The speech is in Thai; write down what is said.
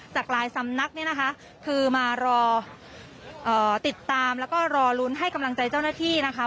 จากหลายสำนักเนี่ยนะคะคือมารอติดตามแล้วก็รอลุ้นให้กำลังใจเจ้าหน้าที่นะคะ